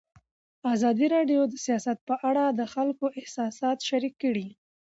ازادي راډیو د سیاست په اړه د خلکو احساسات شریک کړي.